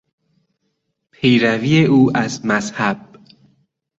پیروی او از مذهب